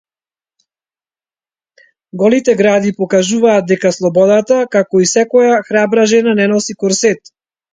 Голите гради покажуваат дека слободата, како и секоја храбра жена, не носи корсет.